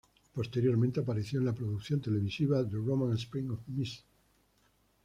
Posteriormente apareció en la producción televisiva "The Roman Spring of Mrs.